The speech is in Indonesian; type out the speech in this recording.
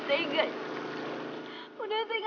udah tega ngacuri perasaan gue